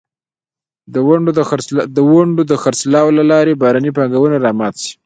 د ونډو د خرڅلاو له لارې بهرنۍ پانګونه را مات شي.